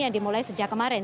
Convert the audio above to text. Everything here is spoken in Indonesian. yang dimulai sejak kemarin